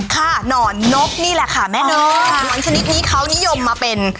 หนอนนกนี่แหละค่ะแม่นกหนอนชนิดนี้เขานิยมมาเป็น